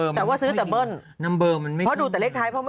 ยังแต่นำเบอร์มันอะไรนะ